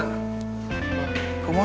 kok mah mah mah deh